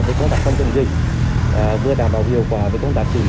về công tác phòng chống dịch vừa đảm bảo hiệu quả về công tác xử lý